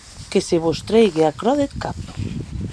Que se vos trèigue aquerò deth cap.